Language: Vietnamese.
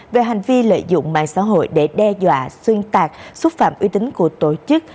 về hành vi lợi dụng mạng xã hội để đe dọa xuyên tạc xúc phạm uy tín của tổ chức